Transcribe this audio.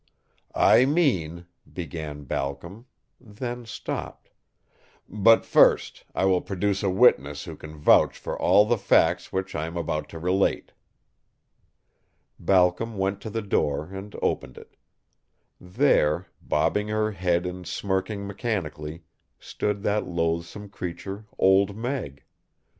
"I mean " began Balcom, then stopped. "But first I will produce a witness who can vouch for all the facts which I am about to relate." Balcom went to the door and opened it. There, bobbing her head and smirking mechanically, stood that loathsome creature, Old Meg.